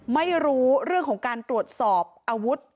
ไม่รู้เรื่องของการตรวจสอบอาวุธ